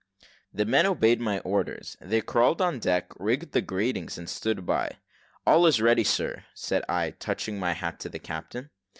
The men obeyed my orders: they crawled on deck, rigged the gratings, and stood by. "All is ready, sir," said I, touching my hat to the captain.